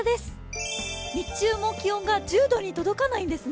日中も気温が１０度に届かないんですね。